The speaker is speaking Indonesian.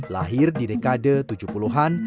lahir di dekade tujuh puluh an